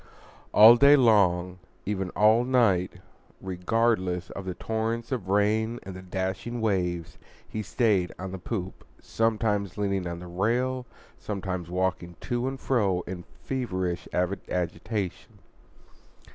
All day long, even all night, regardless of the torrents of rain and the dashing waves, he stayed on the poop, sometimes leaning on the rail, sometimes walking to and fro in feverish agitation.